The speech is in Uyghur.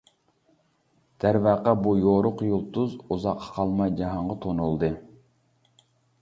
دەرۋەقە بۇ يورۇق يۇلتۇز ئۇزاققا قالماي جاھانغا تونۇلدى.